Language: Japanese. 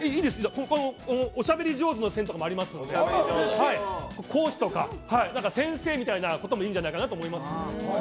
おしゃべり上手の線とかありますので、講師とか先生みたいなこともいいんじゃないかなと思います。